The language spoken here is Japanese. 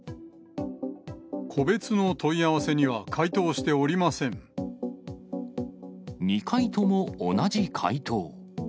個別の問い合わせには回答し２回とも同じ回答。